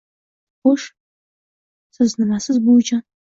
- Xo'sh, siz nimasiz, buvijon!